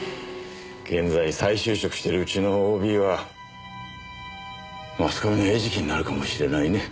現在再就職してるうちのＯＢはマスコミの餌食になるかもしれないね